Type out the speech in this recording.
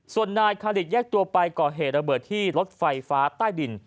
ส่วนนายคาริสแยกตัวไปก่อเหตุระเบิดที่รถไฟฟ้าใต้ดิน